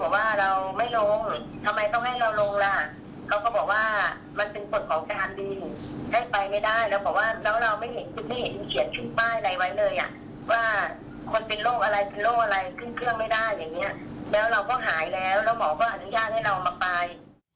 แล้วเราก็หายแล้วแล้วหมอก็อนุญาตให้เรามาไป